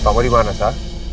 kamu dimana sa